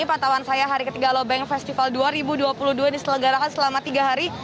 pantauan saya hari ketiga alobank festival dua ribu dua puluh dua diselenggarakan selama tiga hari